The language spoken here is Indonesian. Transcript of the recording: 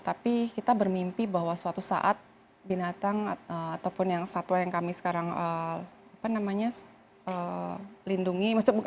tapi kita bermimpi bahwa suatu saat binatang ataupun yang satwa yang kami sekarang lindungi